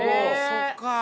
そっか！